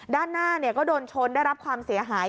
ด้านหน้าก็โดนชนได้รับความเสียหาย